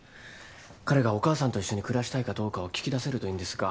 彼がお母さんと一緒に暮らしたいかどうかを聞き出せるといいんですが。